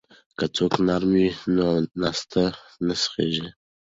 که څوکۍ نرمه وي نو ناسته نه سختیږي.